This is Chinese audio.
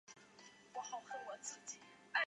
没有明确史料